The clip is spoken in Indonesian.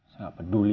saya gak peduli